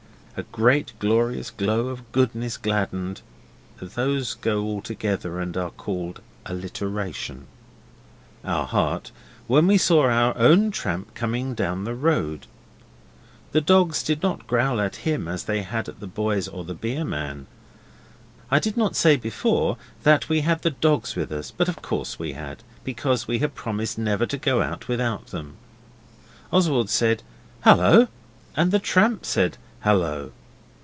A great glorious glow of goodness gladdened (those go all together and are called alliteration) our hearts when we saw our own tramp coming down the road. The dogs did not growl at him as they had at the boys or the beer man. (I did not say before that we had the dogs with us, but of course we had, because we had promised never to go out without them.) Oswald said, 'Hullo,' and the tramp said, 'Hullo.